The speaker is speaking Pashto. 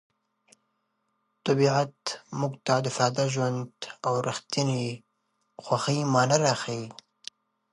طبیعت موږ ته د ساده ژوند او رښتیني خوښۍ مانا راښيي.